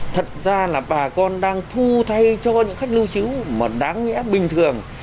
thật ra là bà con đang thu thay cho những khách lưu trú mà đáng nghĩa bình thường